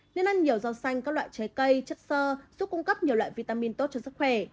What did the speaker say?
nên ăn nhiều rau xanh các loại trái cây chất sơ giúp cung cấp nhiều loại vitamin tốt cho sức khỏe